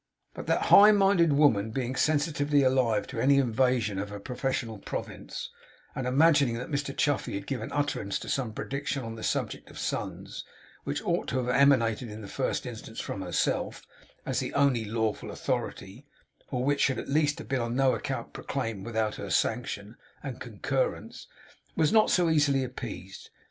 But that high minded woman being sensitively alive to any invasion of her professional province, and imagining that Mr Chuffey had given utterance to some prediction on the subject of sons, which ought to have emanated in the first instance from herself as the only lawful authority, or which should at least have been on no account proclaimed without her sanction and concurrence, was not so easily appeased.